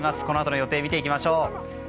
このあとの予定を見ていきましょう。